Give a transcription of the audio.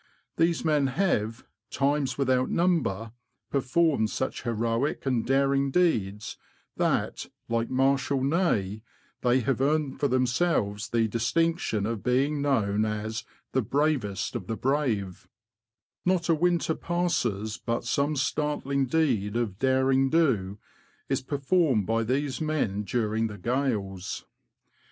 These men have, times without number, performed such heroic and daring deeds that, like Marshal Ney, they have earned for themselves the distinction of being known as " the bravest of the brave/' Not a winter passes but some startling deed of '' derring do " is per formed by these men during the gales.